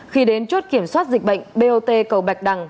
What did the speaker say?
khi đến chốt kiểm soát dịch bệnh bot cầu bạch đằng